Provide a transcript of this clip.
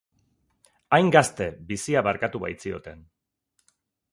Hain gazte, bizia barkatu baitzioten.